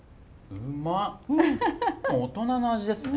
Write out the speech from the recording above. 大人の味ですね。